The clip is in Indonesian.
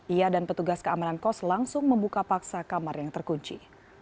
ia dan petugas keamanan kos langsung membuka paksa kamar yang terkunci